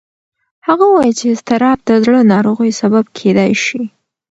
هغه وویل چې اضطراب د زړه ناروغیو سبب کېدی شي.